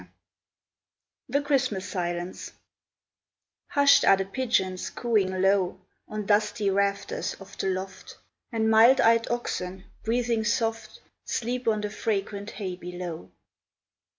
_ THE CHRISTMAS SILENCE Hushed are the pigeons cooing low, On dusty rafters of the loft; And mild eyed oxen, breathing soft, Sleep on the fragrant hay below.